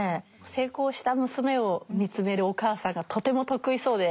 成功した娘を見つめるお母さんがとても得意そうでいいですよね。